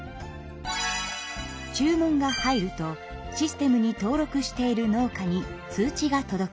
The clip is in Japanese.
注文が入るとシステムに登録している農家に通知が届きます。